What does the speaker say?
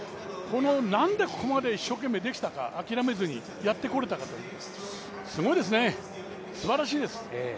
なんでここまで一生懸命できたか、諦めずにやってこれたか、すごいですね、すばらしいです。